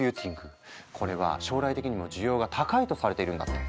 これは将来的にも需要が高いとされているんだって。